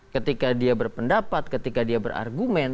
ketika dia berpendapat ketika dia berargumen